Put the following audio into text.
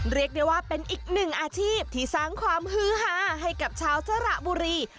เรียกได้ว่าเป็นอีกหนึ่งอาชีพที่สร้างความฮือฮาให้กับชาวสระบุรี